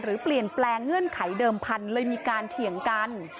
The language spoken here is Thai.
เปลี่ยนแปลงเงื่อนไขเดิมพันธุ์เลยมีการเถียงกัน